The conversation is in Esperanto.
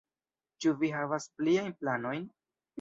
Ĉu vi havas pliajn planojn?